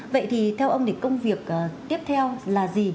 vậy thì theo ông thì công việc tiếp theo là gì